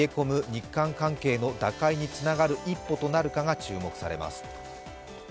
日韓関係の打開につながる一歩となるかが注目されます。